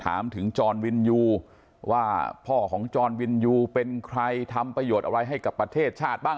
ถามถึงจรวินยูว่าพ่อของจรวินยูเป็นใครทำประโยชน์อะไรให้กับประเทศชาติบ้าง